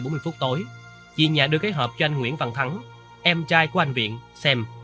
khoảng một mươi bảy h bốn mươi phút tối chị nhà đưa cái hộp cho anh nguyễn văn thắng em trai của anh viện xem